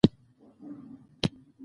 ښځینه لیکوالاني په پښتو ادب کښي کمي لرو.